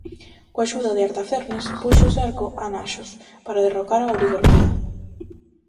Coa axuda de Artafernes puxo cerco a Naxos para derrocar a oligarquía.